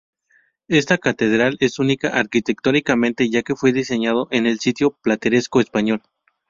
Esta catedral es única arquitectónicamente ya que fue diseñada en el estilo plateresco español.